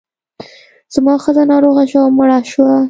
زما ښځه ناروغه شوه او مړه شوه.